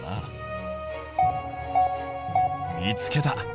見つけた。